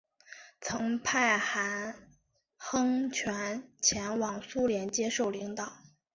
曾派韩亨权前往苏联接受领导。